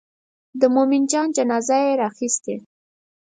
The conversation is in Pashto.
د مومن جان جنازه یې راخیستې.